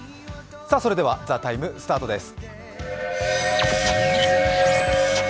それでは「ＴＨＥＴＩＭＥ，」スタートです。